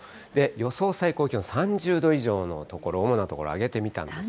予想最高気温３０度以上の所、主な所、挙げてみたんですが。